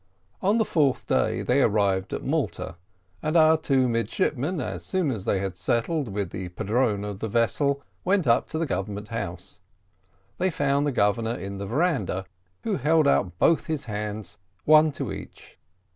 On the fourth day they arrived at Malta, and our two midshipmen, as soon as they had settled with the padrone of the vessel, went up to the government house. They found the Governor in the veranda, Who held out both his hands, one to each.